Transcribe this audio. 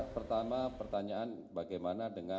pertama pertanyaan bagaimana dengan